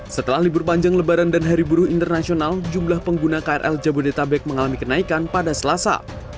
setelah libur panjang lebaran dan hari buruh internasional jumlah pengguna krl jabodetabek mengalami kenaikan pada selasa